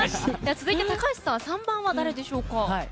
続いて、高橋さん３番は誰でしょうか？